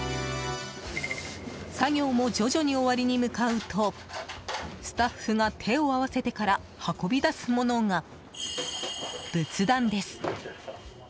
作業も徐々に終わりに向かうとスタッフが手を合わせてから運び出すものが仏壇です。